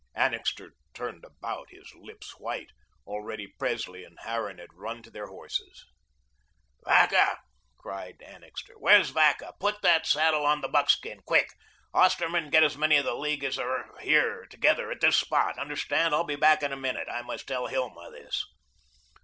Annixter turned about, his lips white. Already Presley and Harran had run to their horses. "Vacca," cried Annixter, "where's Vacca? Put the saddle on the buckskin, QUICK. Osterman, get as many of the League as are here together at THIS spot, understand. I'll be back in a minute. I must tell Hilma this."